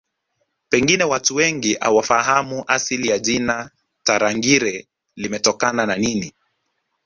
Pengine watu wengi hawafahamu asili ya jina Tarangire limetokana na nini